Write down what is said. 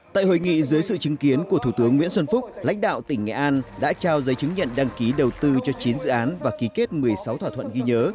tại hội nghị dưới sự chứng kiến của thủ tướng nguyễn xuân phúc lãnh đạo tỉnh nghệ an đã trao giấy chứng nhận đăng ký đầu tư cho chín dự án và ký kết một mươi sáu thỏa thuận ghi nhớ